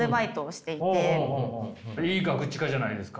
いいガクチカじゃないですか。